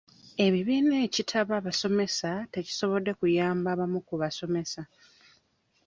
Ebibiina ekitaba abasomesa tekisobedde kuyamba abamu ku basomesa.